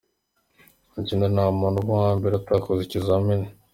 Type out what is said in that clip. Ikindi, nta muntu uba uwa mbere atakoze ikizamini.